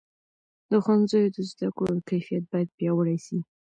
د ښوونځیو د زده کړو کیفیت باید پیاوړی سي.